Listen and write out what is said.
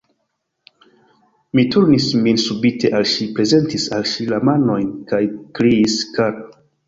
Mi turnis min subite al ŝi, prezentis al ŝi la manojn, kaj kriis: "Kara!"